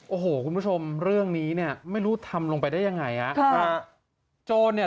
โอ้โหคุณผู้ชมเรื่องนี้เนี่ยไม่รู้ทำลงไปได้ยังไงฮะโจรเนี่ย